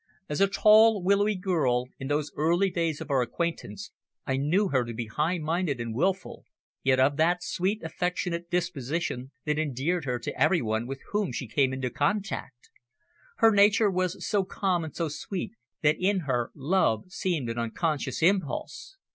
As a tall, willowy girl, in those early days of our acquaintance, I knew her to be high minded and wilful, yet of that sweet affectionate disposition that endeared her to every one with whom she came into contact. Her nature was so calm and so sweet that in her love seemed an unconscious impulse.